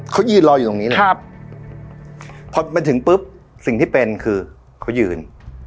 เขายืนรออยู่ตรงนี้เลยครับพอมันถึงปุ๊บสิ่งที่เป็นคือเขายืน